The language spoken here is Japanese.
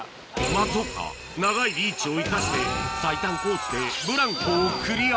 松岡長いリーチを生かして最短コースでブランコをクリア